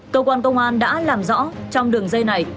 cơ quan công an đã làm rõ trong đường dây này